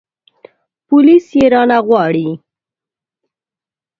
پوليس يې رانه غواړي.